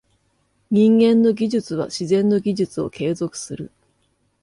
人間の技術は自然の技術を継続する。